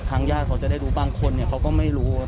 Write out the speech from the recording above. ทางญาติเขาจะได้รู้บางคนเนี่ยเขาก็ไม่รู้